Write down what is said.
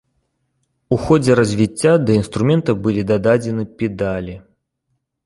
У ходзе развіцця да інструмента былі дададзены педалі.